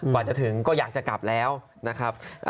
กว่าจะถึงก็อยากจะกลับแล้วนะครับ